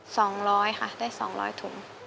สองร้อยค่ะได้สองร้อยถุง